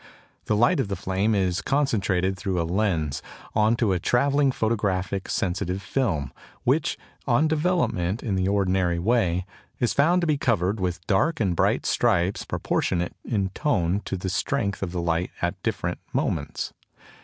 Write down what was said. The light of the flame is concentrated through a lens on to a travelling photographic sensitive film, which, on development in the ordinary way, is found to be covered with dark and bright stripes proportionate in tone to the strength of the light at different moments.